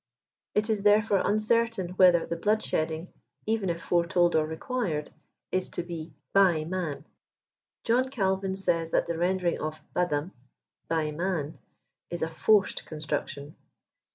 It is 4herelbre uncertain whether the bloodshedding, even if foretold or, required) is to be by man* John Calvin says that the rendering of b'adam "by man," is a forced construction.